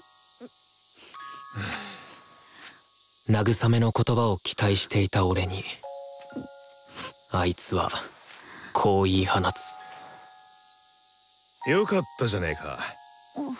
慰めの言葉を期待していた俺にあいつはこう言い放つよかったじゃねか。